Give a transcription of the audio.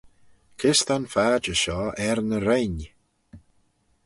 Kys ta'n phadjer shoh er ny rheynn?